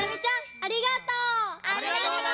ありがとう！